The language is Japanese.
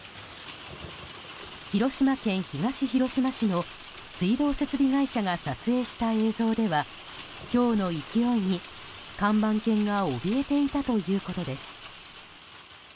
広島県東広島市の水道設備会社が撮影した映像ではひょうの勢いに看板犬がおびえていたということです。